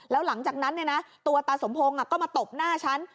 แล้วหลังจากนั้นตัวตาสมพงศ์ก็มาตบหน้าฉัน